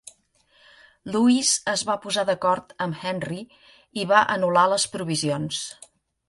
Louis es va posar d'acord amb Henry, i va anul·lar les provisions.